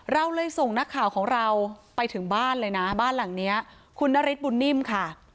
เราเลยส่งนักข่าวของเราไปถึงบ้านเลยนะบ้านหลังนี้คุณนฤทธบุญนิ่มค่ะ